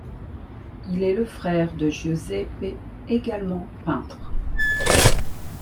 Il est le frère de Giuseppe, également peintre.